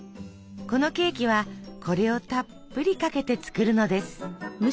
このケーキはこれをたっぷりかけて作るのです。